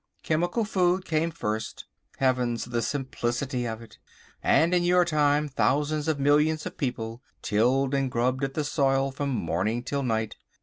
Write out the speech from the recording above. Chemical Food came first. Heavens! the simplicity of it. And in your time thousands of millions of people tilled and grubbed at the soil from morning till night.